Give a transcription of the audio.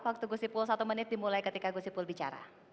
waktu gusipul satu menit dimulai ketika gusipul bicara